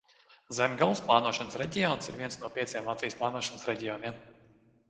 Zemgales plānošanas reģions ir viens no pieciem Latvijas plānošanas reģioniem.